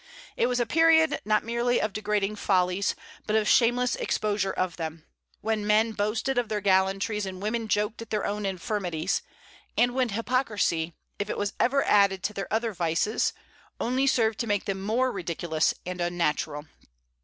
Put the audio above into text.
It was a period not merely of degrading follies, but of shameless exposure of them, when men boasted of their gallantries, and women joked at their own infirmities; and when hypocrisy, if it was ever added to their other vices, only served to make them more ridiculous and unnatural.